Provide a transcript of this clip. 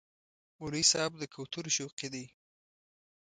مولوي صاحب د کوترو شوقي دی.